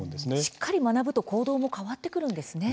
しっかり学ぶと行動も変わってくるんですね。